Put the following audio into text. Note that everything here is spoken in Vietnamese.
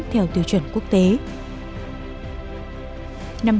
theo tiêu chuẩn quốc gia